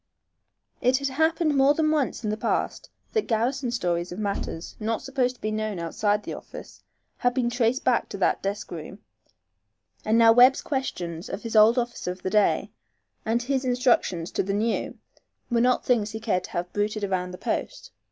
It had happened more than once in the past that garrison stories of matters not supposed to be known outside the office had been traced back to that desk room, and now Webb's questions of his old officer of the day, and his instructions to the new were not things he cared to have bruited about the post.